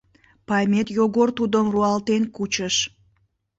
Паймет Йогор тудым руалтен кучыш: